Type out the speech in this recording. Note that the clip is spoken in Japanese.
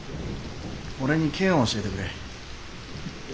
俺に剣を教えてくれ。